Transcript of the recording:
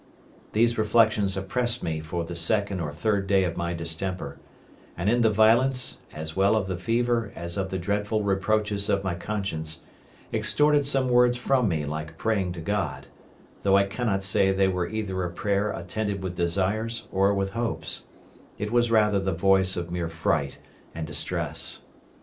These reflections oppressed me for the second or third day of my distemper; and in the violence, as well of the fever as of the dreadful reproaches of my conscience, extorted some words from me like praying to God, though I cannot say they were either a prayer attended with desires or with hopes: it was rather the voice of mere fright and distress.